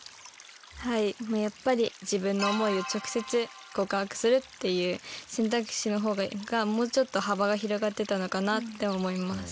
はいやっぱり自分の思いを直接告白するっていう選択肢のほうがもうちょっとはばが広がってたのかなって思います。